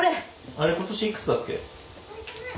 あれ今年いくつだっけ？